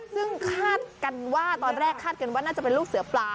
ซึ่งคาดกันว่าตอนแรกคาดกันว่าน่าจะเป็นลูกเสือปลา